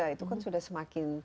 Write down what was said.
itu kan sudah semakin